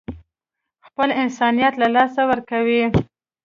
خپل انسانيت له لاسه ورکوي.